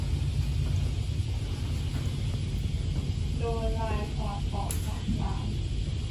โดนไลน์ถอดออกจากร้าน